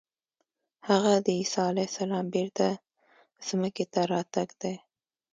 هغه د عیسی علیه السلام بېرته ځمکې ته راتګ دی.